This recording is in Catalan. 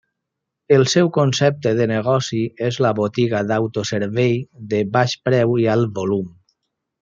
El seu concepte de negoci és la botiga d'autoservei de baix preu i alt volum.